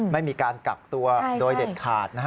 ไม่มีการกักตัวโดยเด็ดขาด